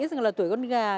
rằng là tuổi con gà